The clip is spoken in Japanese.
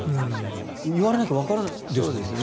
いわれなきゃわからないですもんね。